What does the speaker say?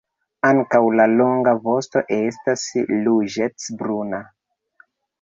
Ankaŭ la longa vosto estas ruĝecbruna.